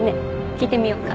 聞いてみよっか。